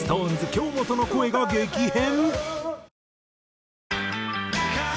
京本の声が激変？